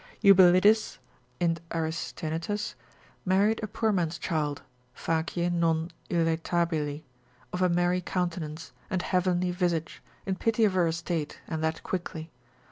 Eubulides, in Aristaenetus, married a poor man's child, facie non illaetabili, of a merry countenance, and heavenly visage, in pity of her estate, and that quickly.